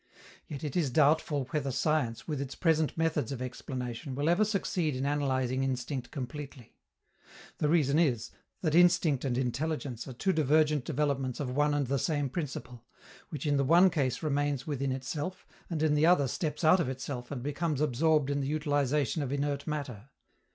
Yet it is doubtful whether science, with its present methods of explanation, will ever succeed in analyzing instinct completely. The reason is that instinct and intelligence are two divergent developments of one and the same principle, which in the one case remains within itself, in the other steps out of itself and becomes absorbed in the utilization of inert matter.